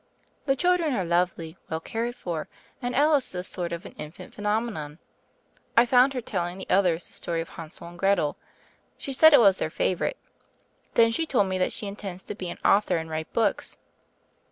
"The children are lovely, well cared for, and Alice is a sort of an infant phenomenon. I found her telling the others the story of Hansel and Gretel. She said it was their favorite. Then she told me that she intends to be an author and write books."